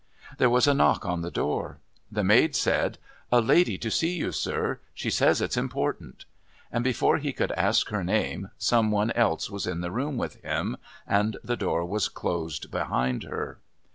There was a knock on the door. The maid said, "A lady to see you, sir. She says it's important" and, before he could ask her name, some one else was in the room with him and the door was closed behind her.